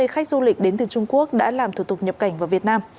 hai mươi khách du lịch đến từ trung quốc đã làm thủ tục nhập cảnh vào việt nam